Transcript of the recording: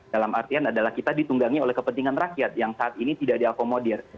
dalam artian adalah kita ditunggangi oleh kepentingan rakyat yang saat ini tidak diakomodir